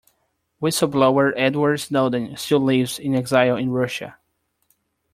Whistle-blower Edward Snowden still lives in exile in Russia.